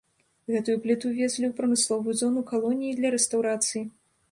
Гэтую пліту везлі ў прамысловую зону калоніі для рэстаўрацыі.